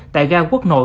tại ga quốc nội